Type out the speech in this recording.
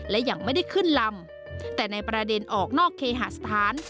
และยังไม่ได้ขึ้นลำแต่ในประเด็นออกนอกเคหาสถาน